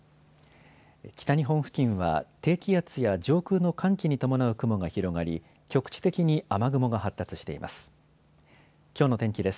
北日本付近は低気圧や上空の寒気に伴う雲が広がり局地的に雨雲が発達しています。